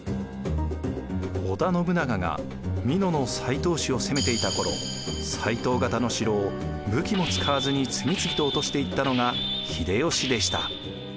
織田信長が美濃の斎藤氏を攻めていた頃斎藤方の城を武器も使わずに次々と落としていったのが秀吉でした。